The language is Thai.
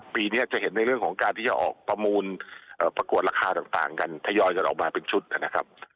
ปีนี้จะเห็นในเรื่องของการที่จะออกประมูลประกวดราคาต่างกันทยอยกันออกมาเป็นชุดนะครับ